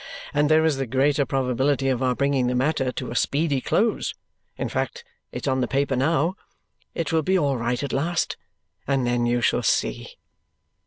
And there is the greater probability of our bringing the matter to a speedy close; in fact, it's on the paper now. It will be all right at last, and then you shall see!"